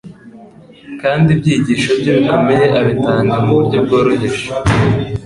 kandi ibyigisho bye bikomeye abitanga mu buryo bworoheje